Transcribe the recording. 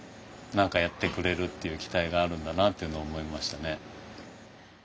何かやってくれるっていう期待があるんだなっていうの思いましたね。